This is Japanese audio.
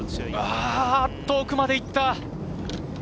遠くまで行った。